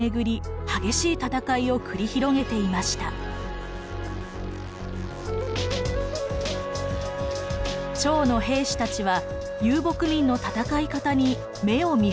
趙の兵士たちは遊牧民の戦い方に目をみはりました。